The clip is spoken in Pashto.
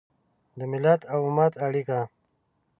د ملت او امت اړیکه